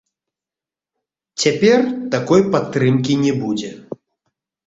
Цяпер такой падтрымкі не будзе.